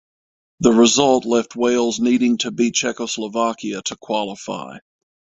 The result left Wales needing to beat Czechoslovakia to qualify.